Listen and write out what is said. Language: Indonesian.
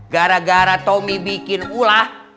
gara gara tommy bikin ulah